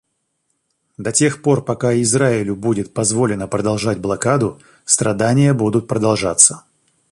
До тех пор пока Израилю будет позволено продолжать блокаду, страдания будут продолжаться.